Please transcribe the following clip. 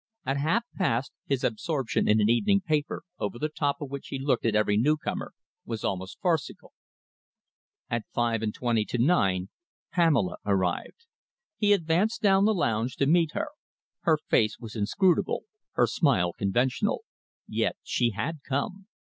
At half past, his absorption in an evening paper, over the top of which he looked at every newcomer, was almost farcical. At five and twenty to nine Pamela arrived. He advanced down the lounge to meet her. Her face was inscrutable, her smile conventional. Yet she had come!